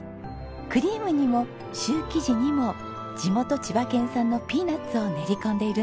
クリームにもシュー生地にも地元千葉県産のピーナッツを練り込んでいるんですよ。